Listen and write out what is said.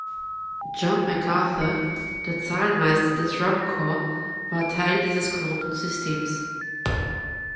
John Macarthur, der Zahlmeister des Rum Corps, war Teil dieses korrupten Systems.